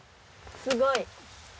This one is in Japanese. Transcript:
すごい！